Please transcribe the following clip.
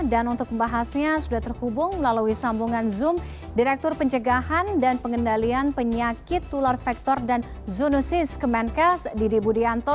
dan untuk pembahasannya sudah terhubung melalui sambungan zoom direktur pencegahan dan pengendalian penyakit tular vektor dan zoonosis kemenkes didi budianto